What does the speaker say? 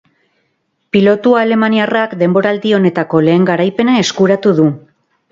Pilotu alemaniarrak denboraldi honetako lehen garaipena eskuratu du.